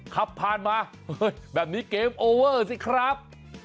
ขับผ่านมาแบบนี้เกมโอเวอร์สิครับ